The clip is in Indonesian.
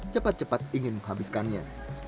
cepat cepat ingin menghabiskannya